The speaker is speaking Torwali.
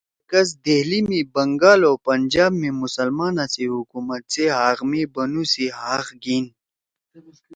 تی مرکز )دہلی( می بنگال او پنجاب می مسلمانا سی حکومت سی حق می بنُو سی حق گھیِن